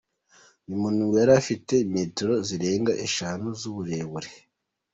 Uyu muntu ngo yari afite metero zirenga eshanu z’uburebure.